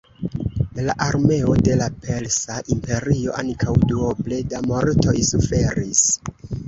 La armeo de la Persa Imperio ankaŭ duoble da mortoj suferis.